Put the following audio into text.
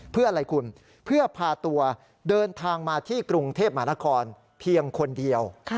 เพื่ออะไรคุณเพื่อพาตัวเดินทางมาที่กรุงเทพมหานครเพียงคนเดียว